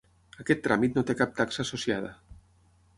Aquest tràmit no té cap taxa associada.